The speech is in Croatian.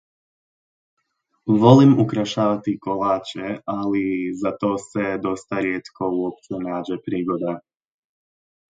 Volim ukrašavati kolače, ali za to se dosta rijetko nađe prigoda.